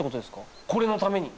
これのために？